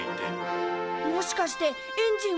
もしかしてエンジンは９つ？